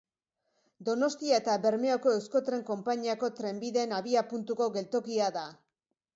Donostia eta Bermeoko Euskotren konpainiako trenbideen abiapuntuko geltokia da.